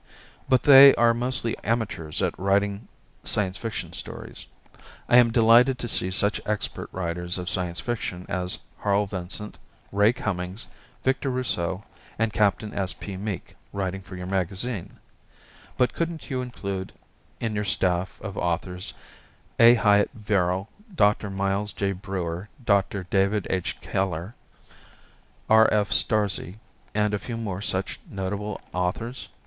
But they are mostly amateurs at writing Science Fiction stories. I am delighted to see such expert writers of Science Fiction as Harl Vincent, Ray Cummings, Victor Rousseau and Captain S. P. Meek writing for your magazine, but couldn't you include in your staff of authors A. Hyatt Verrill, Dr. Miles J. Breuer, Dr. David H. Keller, R. F. Starzl, and a few more such notable authors?